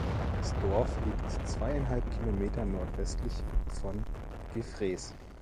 Das Dorf liegt zweieinhalb Kilometer nordwestlich von Gefrees.